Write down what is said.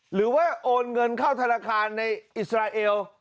โอนเงินเข้าธนาคารในอิสราเอล